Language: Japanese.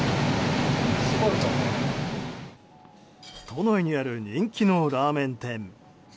都内にある人気のラーメン店。